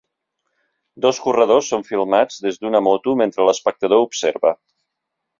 Dos corredors són filmats des d'una moto mentre l'espectador observa.